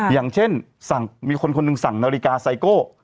อย่างเช่นสั่งมีคนคนหนึ่งสั่งนาฬิกาไซโก้